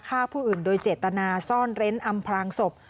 ฆ่าผู้อื่นโดยเจตนาซ่อนเร้นอำพลางศพ